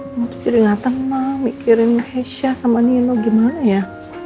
maksudnya gak tenang mikirin keisha sama nino gimana ya